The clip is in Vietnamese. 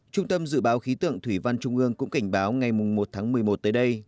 trung tâm dự báo khí tượng thủy văn trung ương cũng cảnh báo ngày một tháng một mươi một tới đây